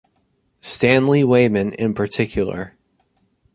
Stanley Weyman in particular.